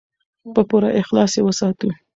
په پوره اخلاص یې وساتو.